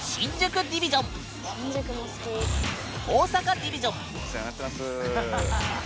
お世話になってます。